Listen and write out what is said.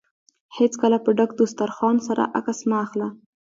هېڅکله په ډک دوسترخان سره عکس مه اخله.